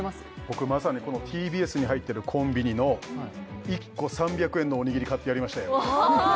僕まさにこのＴＢＳに入ってるコンビニの１個３００円のおにぎり買ってやりましたよ